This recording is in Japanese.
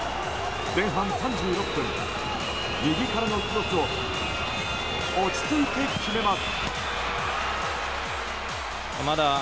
前半３６分、右からのクロスを落ち着いて決めます。